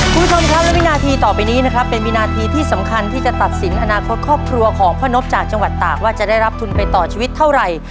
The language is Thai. คุณผู้ชมครับและวินาทีต่อไปนี้นะครับเป็นวินาทีที่สำคัญที่จะตัดสินอนาคตครอบครัวของพ่อนพจากจังหวัดตากว่าจะได้รับทุนไปต่อชีวิตเท่าไหร่